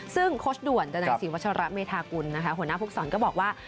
ซึ่งโค้ชด่วนดันัยศรีวัชระเมธากุลนะคะหัวหน้าภูกษรก็บอกว่า